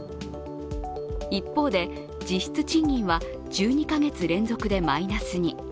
一方で実質賃金は１２か月連続でマイナスに。